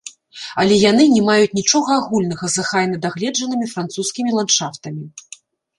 Але яны не маюць нічога агульнага з ахайна-дагледжанымі французскімі ландшафтамі.